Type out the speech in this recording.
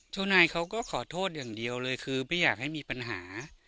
เจ้านายเขาก็ขอโทษอย่างเดียวเลยคือไม่อยากให้มีปัญหา